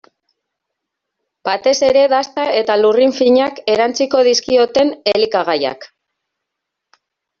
Batez ere dasta eta lurrin finak erantsiko dizkioten elikagaiak.